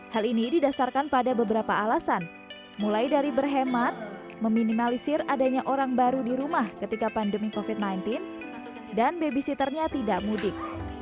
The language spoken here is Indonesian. hal ini didasarkan pada beberapa alasan mulai dari berhemat meminimalisir adanya orang baru di rumah ketika pandemi covid sembilan belas dan babysitternya tidak mudik